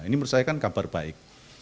ini menurut saya kan kabar baik